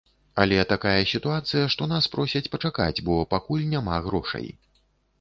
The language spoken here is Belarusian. Але такая сітуацыя, што нас просяць пачакаць, бо пакуль няма грошай.